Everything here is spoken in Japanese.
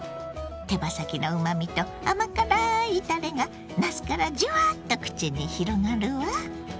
手羽先のうまみと甘辛いたれがなすからじゅわっと口に広がるわ。